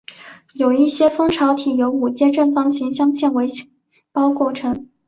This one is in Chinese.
有一些蜂巢体由五阶正方形镶嵌为胞构成